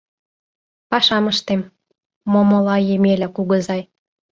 Пашам ыштем, Момола-Емеля кугызай...